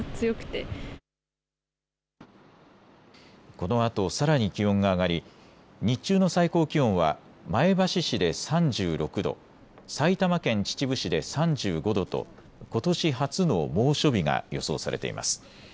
このあとさらに気温が上がり、日中の最高気温は前橋市で３６度、埼玉県秩父市で３５度とことし初の猛暑日が予想されています。